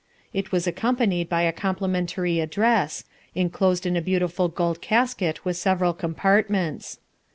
It was accompanied by a complimentary address, enclosed in a beautiful gold casket with several compartments.